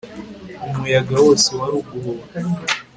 umuyaga wose waru guhuha